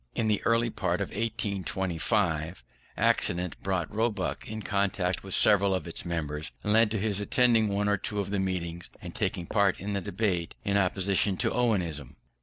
In the early part of 1825, accident brought Roebuck in contact with several of its members, and led to his attending one or two of the meetings and taking part in the debate in opposition to Owenism.